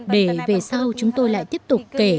để về sau chúng tôi lại tiếp tục kể